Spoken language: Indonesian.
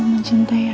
aku ingin berbohong